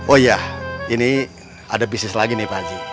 oh iya ini ada bisnis lagi nih pak haji